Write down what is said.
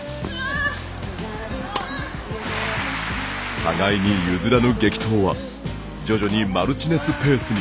互いに譲らぬ激闘は徐々にマルチネスペースに。